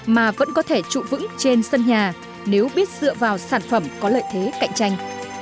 mà vẫn có thể trụ vững trên sân nhà nếu biết dựa vào sản phẩm có lợi thế cạnh tranh